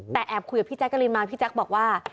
แต่แอบคุยกับพี่แจ๊กกะลินมาพี่แจ๊คบอกว่า